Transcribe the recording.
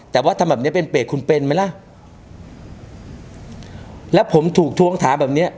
แต่ว่าทำแบบเนี้ยเป็นเปรตคุณเป็นไหมล่ะแล้วผมถูกทวงถามแบบเนี้ย